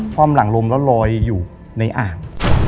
ความหลังลมแล้วลอยอยู่ในอ่าง